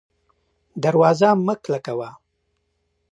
دروازه مه کلکه وه